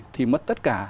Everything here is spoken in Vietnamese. thì mất tất cả